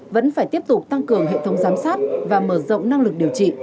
vẫn phải tiếp tục tăng cường hệ thống giám sát và mở rộng năng lực điều trị